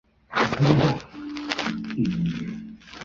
圆燕鱼为辐鳍鱼纲鲈形目鲈亚目白鲳科燕鱼属的一种鱼类。